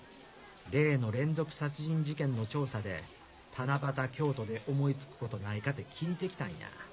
例の連続殺人事件の調査で「七夕京都」で思い付くことないかて聞いて来たんや。